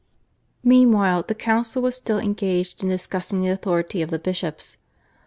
Meanwhile the council was still engaged in discussing the authority of the bishops.